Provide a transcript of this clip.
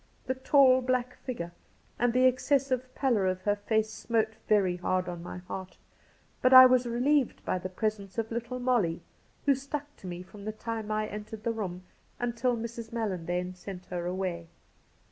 The tall black figure and the excessive pallor of her face smote very hard on my heart, but I was relieved by the presence of little MoUy, who stuck to me from the time I entered the room until Mrs. Mallandane sent her away.